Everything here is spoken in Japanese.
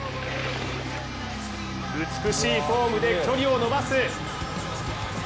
美しいフォームで距離を延ばす。